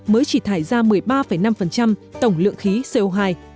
mới chỉ thải ra một mươi ba năm tổng lượng khí co hai